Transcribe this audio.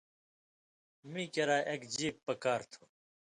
مِیں کِراں اَک جیپ پکار تُھو۔